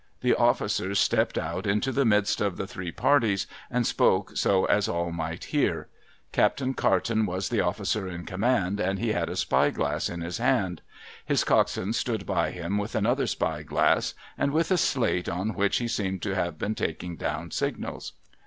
The officers stepped out into the midst of the three parties, and spoke so as all might hear. Captain Carton was the officer in command, and he had a spy glass in his hand. His coxswain stood by him with another spy glass, and with a slate on which he seemed to have been taking down signals.